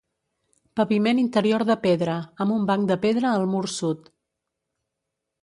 Paviment interior de pedra, amb un banc de pedra al mur sud.